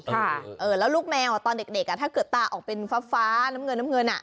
เออแล้วลูกแมวตอนเด็กเด็กอ่ะถ้าเกิดตาออกเป็นฟ้าฟ้าน้ำเงินน้ำเงินอ่ะ